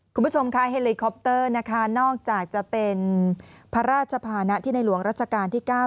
คุณผู้ชมค่ะเฮลิคอปเตอร์นะคะนอกจากจะเป็นพระราชภานะที่ในหลวงรัชกาลที่๙